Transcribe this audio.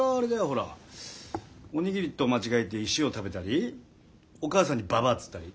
ほらお握りと間違えて石を食べたりお母さんに「ばばあ」っつったり。